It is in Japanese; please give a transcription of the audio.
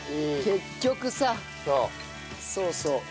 結局さそうそう。